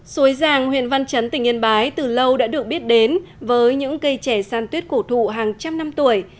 suối giàng huyện văn chấn tỉnh yên bái từ lâu đã được biết đến với những cây trẻ san tuyết cổ thụ hàng trăm năm tuổi